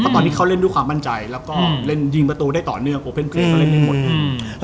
ตอนนี้เขาเล่นด้วยความบันใจแล้วก็เล่นยิงประตูได้ต่อเนื่องโอเปิ้ลเพื่อนเขาเล่นได้หมด